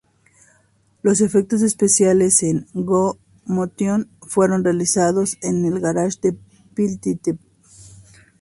Los efectos especiales en "go motion" fueron realizados en el garaje de Phil Tippett.